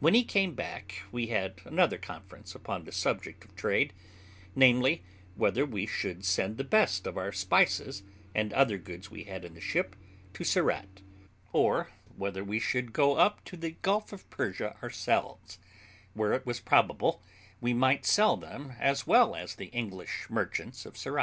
When he came back we had another conference upon the subject of trade, namely, whether we should send the best of our spices, and other goods we had in the ship, to Surat, or whether we should go up to the Gulf of Persia ourselves, where it was probable we might sell them as well as the English merchants of Surat.